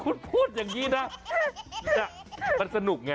คุณพูดอย่างนี้นะมันสนุกไง